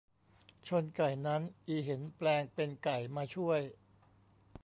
ชนไก่นั้นอีเห็นแปลงเป็นไก่มาช่วย